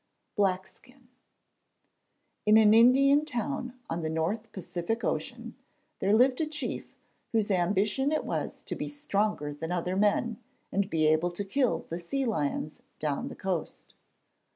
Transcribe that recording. BLACKSKIN In an Indian town on the North Pacific Ocean there lived a chief, whose ambition it was to be stronger than other men and be able to kill the sea lions down the coast.